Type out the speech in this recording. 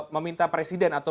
meminta presiden atau